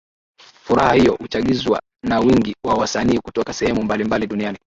Furaha hiyo huchagizwa na wingi wa wasanii kutoka sehemu mbalimbali duniani